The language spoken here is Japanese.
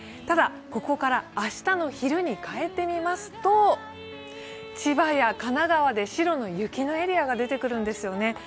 ただここから明日の昼に変えてみますと、千葉や神奈川で白の雪のエリアが出てくるんですよね。